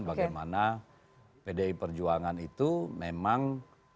bagaimana pdi perjuangan itu memang